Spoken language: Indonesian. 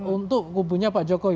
untuk kubunya pak jokowi